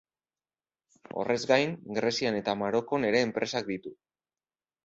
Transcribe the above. Horrez gain, Grezian eta Marokon ere enpresak ditu.